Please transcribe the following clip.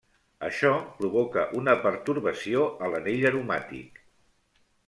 Això provoca una pertorbació a l'anell aromàtic.